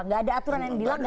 enggak ada aturan yang dilanggar